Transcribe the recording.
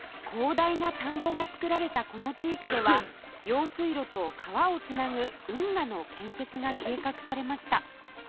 広大な田んぼが作られたこの地域では用水路と川を繋ぐ運河の建設が計画されました